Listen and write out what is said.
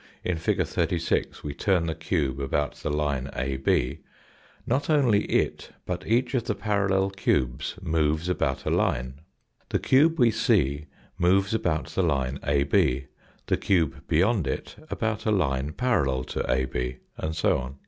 in fig. 36 we turn the cube about the line AB, not only it but each of the parallel cubes moves about a line. The t f H \\\ 8 G D \ A C Fig. 36. cube we see moves about the line AB, the cube beyond it about a line parallel to AB and so on.